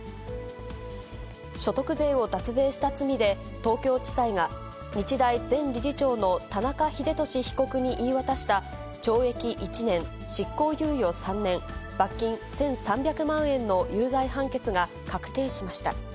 所得税を脱税した罪で、東京地裁が日大前理事長の田中英壽被告に言い渡した懲役１年、執行猶予３年、罰金１３００万円の有罪判決が確定しました。